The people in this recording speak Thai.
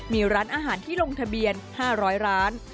มีร้านอาหารที่ลงทะเบียน๕๐๐ร้าน